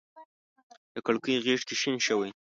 د کړکۍ غیږ کي شین شوی